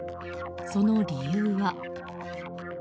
その理由は。